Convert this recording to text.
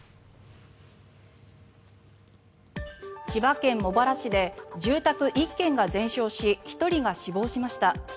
千葉県茂原市で住宅１軒が全焼し１人が死亡しました。